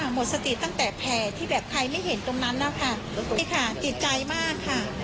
หมดสติตั้งแต่แผลที่แบบใครไม่เห็นตรงนั้นแล้วค่ะนี่ค่ะจิตใจมากค่ะ